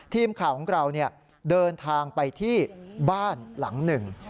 ทีมข่าวของเราเดินทางไปที่บ้านหลังหนึ่ง